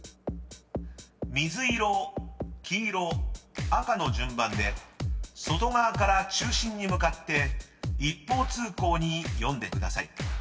［水色・黄色・赤の順番で外側から中心に向かって一方通行に読んでください］